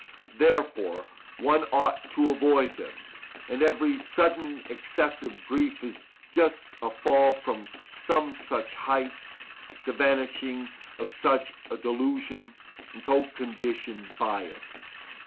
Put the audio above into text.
Therefore one ought to avoid them; and every sudden excessive grief is just a fall from some such height, the vanishing of such a delusion, and so conditioned by it.